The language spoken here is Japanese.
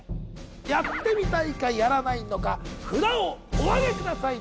「やってみたい」か「やらない」のか札をおあげください